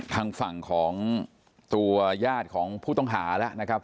ทางฝั่งของตัวญาติของผู้ต้องหาแล้วนะครับ